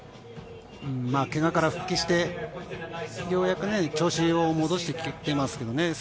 けがから復帰して、ようやく調子を戻してきていますけどね。